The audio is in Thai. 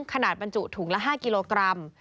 บรรจุถุงละ๕กิโลกรัม